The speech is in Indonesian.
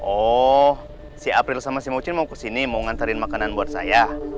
oh si april sama si mucin mau kesini mau ngantarin makanan buat saya